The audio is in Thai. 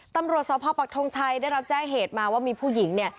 ตำรวจสพปักทงชัยได้รับแจ้งเหตุมาว่ามีผู้หญิงเนี่ย